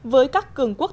với các cường quốc tế